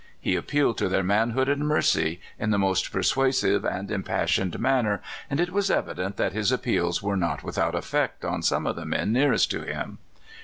He appealed to their manhood and mercy in the most persuasive and impassioned manner, and it was evident that his appeals were not without effect on some of the men nearest to him.